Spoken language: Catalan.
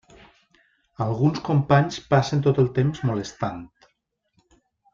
Alguns companys passen tot el temps molestant.